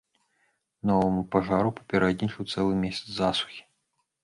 Новаму пажару папярэднічаў цэлы месяц засухі.